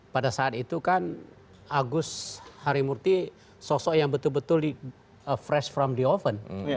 pada saat itu kan agus harimurti sosok yang betul betul fresh from the oven